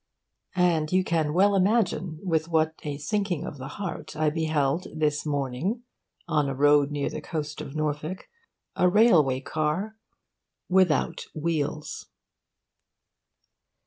And you can well imagine with what a sinking of the heart I beheld, this morning, on a road near the coast of Norfolk, a railway car without wheels.